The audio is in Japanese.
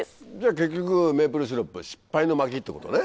結局メープルシロップは失敗の巻ってことね？